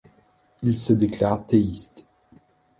Il se déclare théiste.